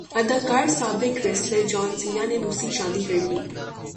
اداکار سابق wrestler John Cena نے دوسری شادی کرلی